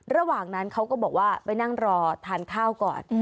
ระหว่างนั้นเขาก็บอกว่าไปนั่งรอทานข้าวก่อน